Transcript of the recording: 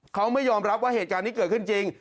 เขาไม่ยอมรับว่าเหตุการณ์นี้เกิดขึ้นจริง